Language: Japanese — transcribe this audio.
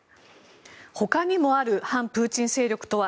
他にもある反プーチン勢力とは。